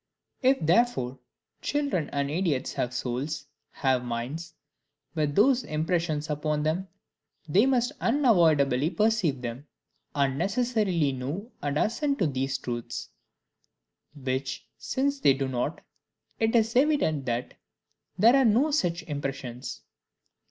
If therefore children and idiots have souls, have minds, with those impressions upon them, THEY must unavoidably perceive them, and necessarily know and assent to these truths; which since they do not, it is evident that there are no such impressions.